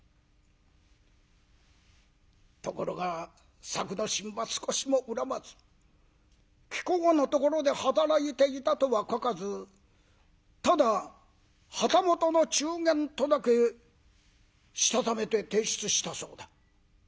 「ところが作之進は少しも恨まず貴公のところで働いていたとは書かずただ旗本の中間とだけしたためて提出したそうだ」。